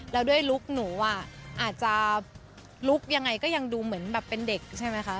แล้วด้วยลุคหนูอ่ะอาจจะลุคยังไงก็ยังดูเหมือนแบบเป็นเด็กใช่ไหมคะ